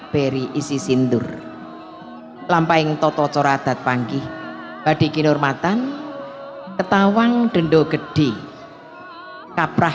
beri isi sindur lampain toto coradat panggih badai kinurmatan ketawang dendok gede kaprah